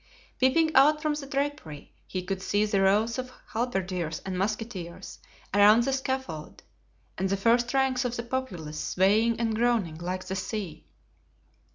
Peeping out from the drapery, he could see the rows of halberdiers and musketeers around the scaffold and the first ranks of the populace swaying and groaning like the sea.